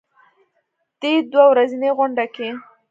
دې دوه ورځنۍ غونډه کې